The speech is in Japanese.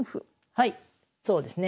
はいそうですね。